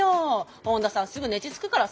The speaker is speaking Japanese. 本田さんすぐネチつくからさ。